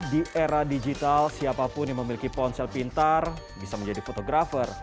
di era digital siapapun yang memiliki ponsel pintar bisa menjadi fotografer